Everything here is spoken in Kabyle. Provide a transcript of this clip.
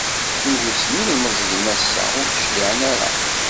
Tuget n yilemẓiyen ass-a ur d-cliɛen ara.